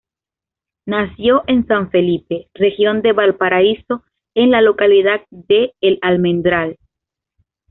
Nació en San Felipe, Región de Valparaíso, en la localidad de El Almendral.